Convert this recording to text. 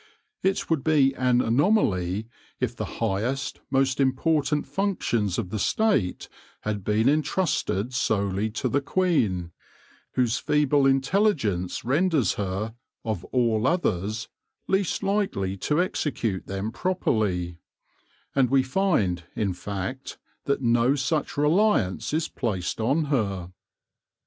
It would be an anomaly if the highest, most important functions of the State had been entrusted solely to the queen, whose feeble in telligence renders her, of all others, least likely to execute them properly ; and we find, in fact, that no such reliance is placed on her.